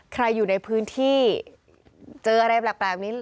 ใครอยู่ในพื้นที่เจออะไรแบบนี้